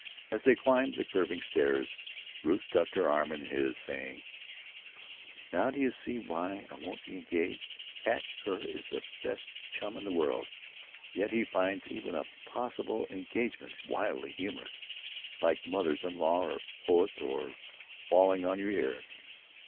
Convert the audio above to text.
As they climbed the curving stairs Ruth tucked her arm in his, saying: "Now do you see why I won't be engaged? Pat Kerr is the best chum in the world, yet he finds even a possible engagement wildly humorous—like mothers in law or poets or falling on your ear."